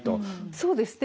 そうですね